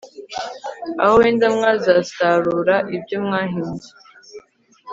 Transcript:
aho wenda mwazasarura ibyo mwahinze